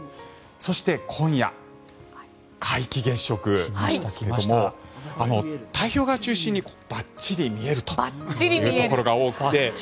そして、今夜皆既月食ですけれども太平洋側を中心にばっちり見えるというところが多くて。